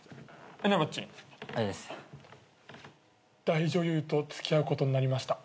大女優と付き合うことになりました。